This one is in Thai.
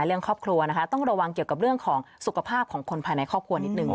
เรื่องครอบครัวนะคะต้องระวังเกี่ยวกับเรื่องของสุขภาพของคนภายในครอบครัวนิดนึง